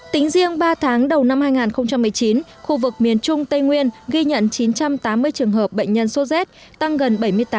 tính riêng ba tháng đầu năm hai nghìn một mươi chín khu vực miền trung tây nguyên ghi nhận chín trăm tám mươi trường hợp bệnh nhân số z tăng gần bảy mươi tám